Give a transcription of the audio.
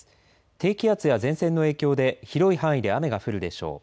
低気圧や前線の影響で広い範囲で雨が降るでしょう。